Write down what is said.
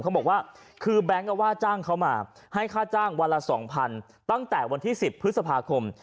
เขาบอกว่าคือแบงค์ก็ว่าจ้างเขามาให้ค่าจ้างวันละ๒๐๐ตั้งแต่วันที่๑๐พฤษภาคม